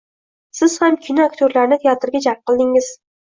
Siz ham kino aktyorlarini teatrga jalb qildingiz.